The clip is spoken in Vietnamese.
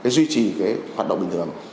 duy trì cái hoạt động bình thường